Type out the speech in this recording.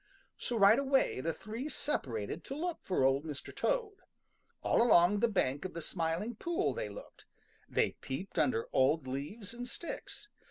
So right away the three separated to look for Old Mr. Toad. All along the bank of the Smiling Pool they looked. They peeped under old leaves and sticks.